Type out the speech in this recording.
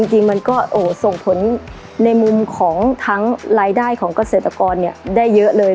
จริงมันก็ส่งผลในมุมของทั้งรายได้ของเกษตรกรได้เยอะเลย